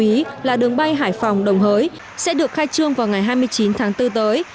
trong đó đáng chú ý là đường bay hải phòng đồng hới sẽ được khai trương vào ngày hai mươi chín tháng bốn tới